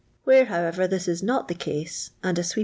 WluTf, however, this is not the ca.xe. and ; a "wri'p.